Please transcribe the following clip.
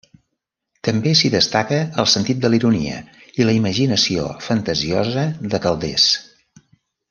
També s'hi destaca el sentit de la ironia i la imaginació fantasiosa de Calders.